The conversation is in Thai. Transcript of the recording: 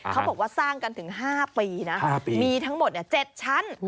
เขาบอกว่าสร้างกันถึง๕ปีนะมีทั้งหมด๗ชั้น